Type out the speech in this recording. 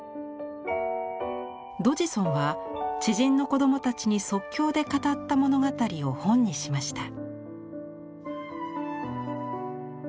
ドジソンは知人の子供たちに即興で語った物語を本にしました。